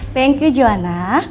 thank you juana